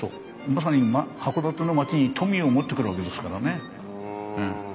まさに函館の町に富を持ってくるわけですからね。